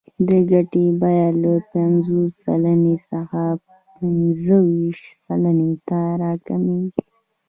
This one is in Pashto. د ګټې بیه له پنځوس سلنې څخه پنځه ویشت سلنې ته راکمېږي